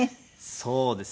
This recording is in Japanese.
そうですね。